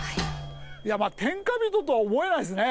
いやまあ天下人とは思えないですね。